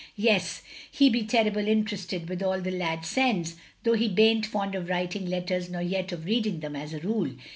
"Yes, he be terrible interested with all the lad sends, though he baint fond of writing letters nor yet of reading them, as a rule.